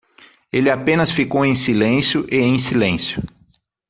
Ele apenas ficou em silêncio e em silêncio